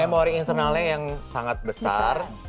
memori internalnya yang sangat besar